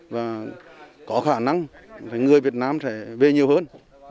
và có khả năng người việt nam sẽ về nhiều hơn